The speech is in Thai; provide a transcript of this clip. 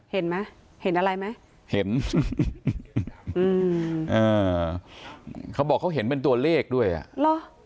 เห็นไหมเห็นอะไรไหมเห็นอืมอ่าเขาบอกเขาเห็นเป็นตัวเลขด้วยอ่ะเหรอ